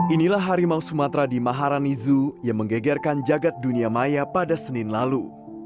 inilah harimau sumatera di maharani zoo yang menggegerkan jagad dunia maya pada senin lalu